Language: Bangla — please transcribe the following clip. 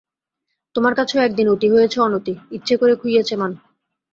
তোমার কাছেও একদিন অতি হয়েছে অনতি, ইচ্ছে করে খুইয়েছে মান।